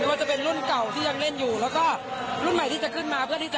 ว่าจะเป็นรุ่นเก่าที่ยังเล่นอยู่แล้วก็รุ่นใหม่ที่จะขึ้นมาเพื่อที่จะ